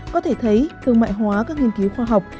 có thể thấy thương mại hóa các nghiên cứu khoa học